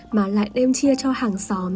mà lại đem chia cho hàng xóm